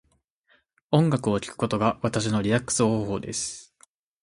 音楽を聴くことが私のリラックス方法です。